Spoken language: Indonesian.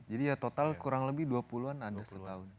jadi ya total kurang lebih dua puluh an ada setahun